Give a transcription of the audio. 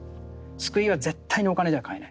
救いは絶対にお金じゃ買えない。